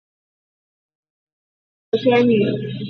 他心疼小孙女